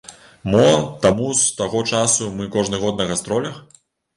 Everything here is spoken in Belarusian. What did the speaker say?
Мо, таму з таго часу мы кожны год на гастролях?